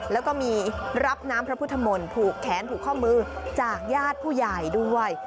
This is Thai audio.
แล้วก็มีรับน้ำพระพุทธมนต์ผูกแขนผูกข้อมือจากญาติผู้ใหญ่ด้วย